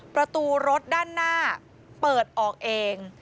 ประตูรถด้านหน้าเปิดออกเอง